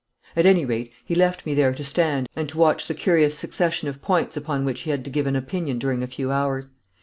At any rate he left me there to stand and to watch the curious succession of points upon which he had to give an opinion during a few hours.